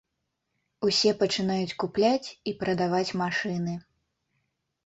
Усе пачынаюць купляць і прадаваць машыны.